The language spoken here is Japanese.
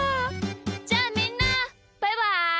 じゃあみんなバイバイ！